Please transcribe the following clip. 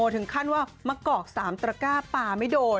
ถึงขั้นว่ามะกอก๓ตระก้าปลาไม่โดน